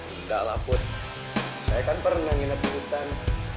enggak lah bud saya kan pernah nginep di hutan